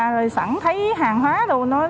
rồi sẵn thấy hàng hóa đồ